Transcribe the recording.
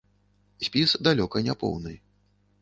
Спіс далёка не поўны.